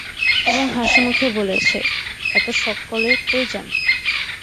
এবং হাসিমুখে বলেছে, এত সকলে কই যান?